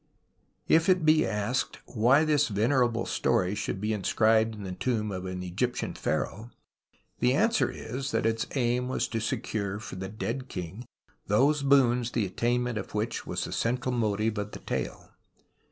If it be asked why this venerable story should be inscribed in the tomb of an Egyp tian pliaraoh, the answer is that its aim was to secure for the dead king those boons the attainment of which was the central motive of the tale.